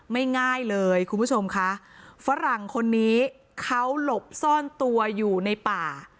ง่ายเลยคุณผู้ชมค่ะฝรั่งคนนี้เขาหลบซ่อนตัวอยู่ในป่า